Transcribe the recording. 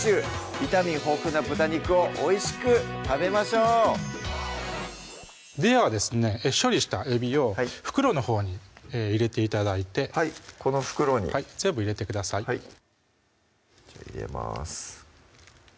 ビタミン豊富な豚肉をおいしく食べましょうではですね処理したえびを袋のほうに入れて頂いてはいこの袋にはい全部入れてくださいじゃあ入れます